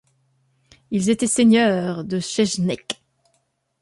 Ils étaient seigneurs de Csesznek.